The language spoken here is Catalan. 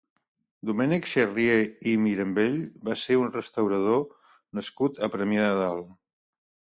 Domènec Xarrié i Mirambell va ser un restaurador nascut a Premià de Dalt.